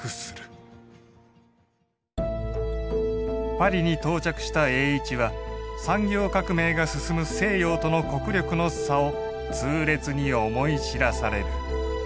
パリに到着した栄一は産業革命が進む西洋との国力の差を痛烈に思い知らされる。